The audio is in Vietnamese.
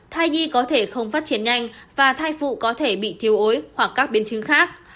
thai nhi có thể không phát triển nhanh và thai phụ có thể bị thiếu ối hoặc các biến chứng khác